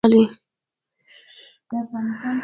پښتون، پښتنه، پښتانه، پښتونولي، پښتونولۍ